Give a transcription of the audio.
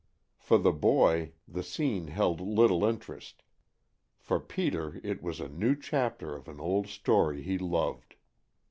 For the boy the scene held little interest; for Peter it was a new chapter of an old story he loved.